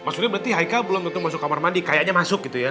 maksudnya berarti haikal belum tentu masuk kamar mandi kayaknya masuk gitu ya